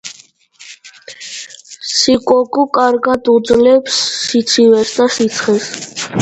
სიკოკუ კარგად უძლებს სიცივეს და სიცხეს.